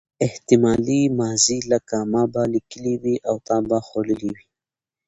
احتمالي ماضي لکه ما به لیکلي وي او تا به خوړلي وي.